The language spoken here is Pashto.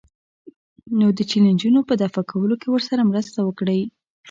نو د چیلنجونو په دفع کولو کې ورسره مرسته وکړئ.